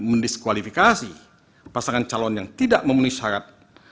mendiskualifikasi pasangan calon yang tidak memenuhi syarat